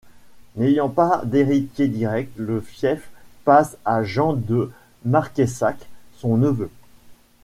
N'ayant pas d'héritier direct, le fief passe à Jean de Marqueyssac, son neveu.